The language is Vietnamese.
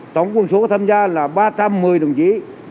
trung đoàn tổng quân số tham gia là ba trăm một mươi đồng chí